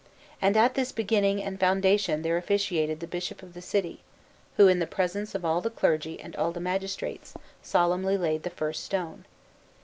And at this beginning and foundation there officiated the Bishop of the city, who, in the presence of all the clergy and all the magistrates, solemnly laid the first stone.